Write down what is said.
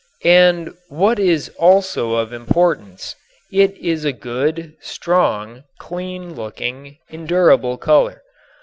And what is also of importance, it is a good, strong, clean looking, endurable color.